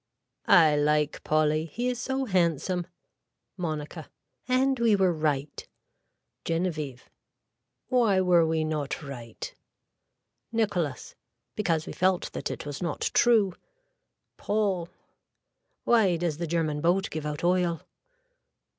I like Polly. He is so handsome. (Monica.) And we were right. (Genevieve.) Why were we not right. (Nicholas.) Because we felt that it was not true. (Paul.) Why does the german boat give out oil.